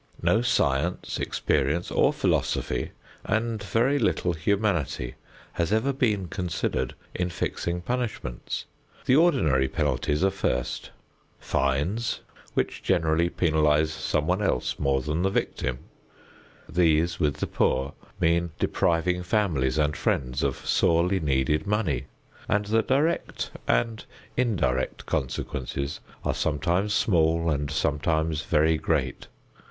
No science, experience, or philosophy and very little humanity has ever been considered in fixing punishments. The ordinary penalties are first: fines, which generally penalize someone else more than the victim; these with the poor mean depriving families and friends of sorely needed money, and the direct and indirect consequences are sometimes small and sometimes very great.